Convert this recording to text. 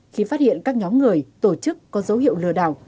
khi phát hiện các nhóm người tổ chức có dấu hiệu lừa đảo